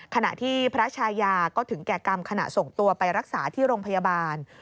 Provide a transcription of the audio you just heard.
ขณะที่พระชายาก็ถึงแก่กรรมขณะส่งตัวไปรักษาที่โรงพยาบาล